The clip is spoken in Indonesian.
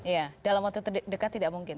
ya dalam waktu dekat tidak mungkin